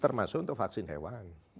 termasuk untuk vaksin hewan